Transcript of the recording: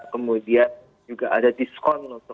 kemudian juga ada diskon